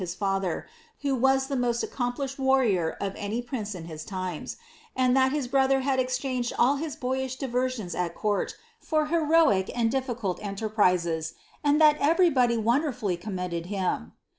his father, who was the ■est accomplished warrior of any prince in his times ; and that his hoiher had eichanged all his boyish diversions at court for heroic and dMkuh enterprises, and that everybody wonderfully commended him."